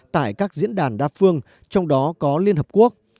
tại các diễn đàn đa phương trong đó có liên hợp quốc